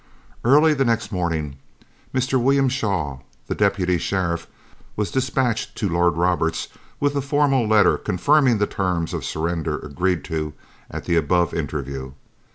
Early the next morning Mr. William Shawe, the Deputy Sheriff, was dispatched to Lord Roberts, with a formal letter, confirming the terms of surrender agreed to at the above interview.